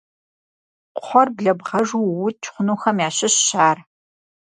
Кхъуэр блэбгъэжу уукӏ хъунухэм ящыщщ ар.